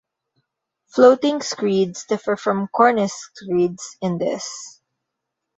Floating screeds differ from cornice screeds in this.